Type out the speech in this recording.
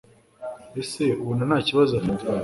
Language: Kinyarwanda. aseka ubona ntakibazo afite